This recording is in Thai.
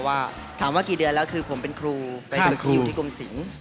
ถามว่ากี่เดือนแล้วคือผมเป็นครูอยู่ที่คุมสิน